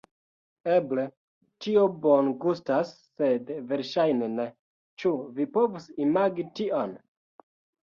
Eble, tio bongustas sed verŝajne ne... ĉu vi povus imagi tion?